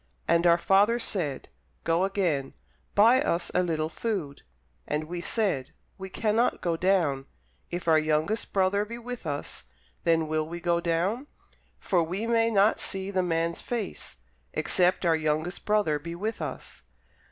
And our father said, Go again, buy us a little food. And we said, We cannot go down: if our youngest brother be with us, then will we go down: for we may not see the man's face, except our youngest brother be with us.